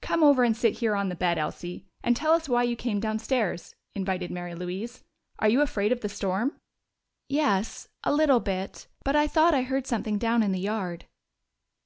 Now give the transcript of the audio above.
"Come over and sit here on the bed, Elsie, and tell us why you came downstairs," invited Mary Louise. "Are you afraid of the storm?" "Yes, a little bit. But I thought I heard something down in the yard."